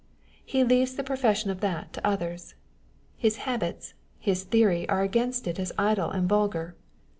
He leaves the profession of that to others. His habits, his theory are against it as idle and vulgar.